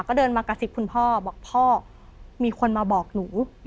ก็เดินมากระซิบคุณพ่อบอกพ่อมีคนมาบอกหนู